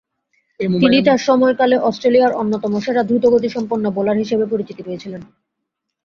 তিনি তার সময়কালে অস্ট্রেলিয়ায় অন্যতম সেরা দ্রুতগতিসম্পন্ন বোলার হিসেবে পরিচিতি পেয়েছিলেন।